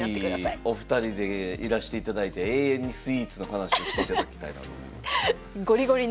是非お二人でいらしていただいて永遠にスイーツの話をしていただきたいなと思います。